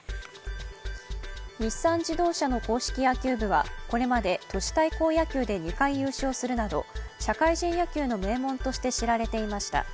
日産自動車の硬式野球部はこれまで、都市対抗野球で２回優勝するなど、社会人野球の名門として知られていました。